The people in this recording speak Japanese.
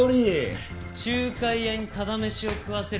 仲介屋にタダ飯を食わせるメリットは？